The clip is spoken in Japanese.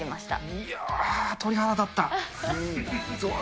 いやー、鳥肌立った。